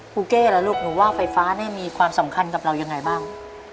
เก้ล่ะลูกหนูว่าไฟฟ้านี่มีความสำคัญกับเรายังไงบ้าง